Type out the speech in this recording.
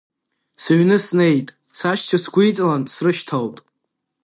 Сыҩны снеит, сашьцәа сгәы иҵалан, срышьҭалт.